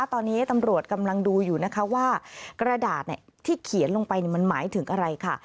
ตอนนี้ตำรวจกำลังดูอยู่นะคะว่ากระดาษที่เขียนลงไปมันหมายถึงอะไรค่ะ